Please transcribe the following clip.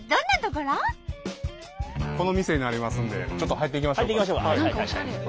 この店になりますんでちょっと入っていきましょうか。